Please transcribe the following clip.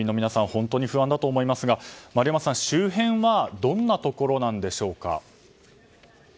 本当に不安だと思いますが丸山さん、周辺はどんなところなんでしょうか。